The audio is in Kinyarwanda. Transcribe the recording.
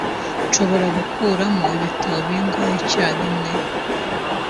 Nshobora gukuramo ibitabo bingahe icyarimwe?